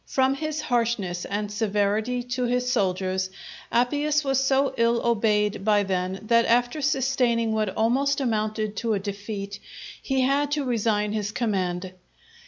From his harshness and severity to his soldiers, Appius was so ill obeyed by them, that after sustaining what almost amounted to a defeat, he had to resign his command.